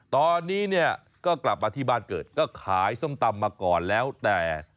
ตอนนี้เนี่ยก็กลับมาที่บ้านเกิดก็ขายส้มตำมาก่อนแล้วแต่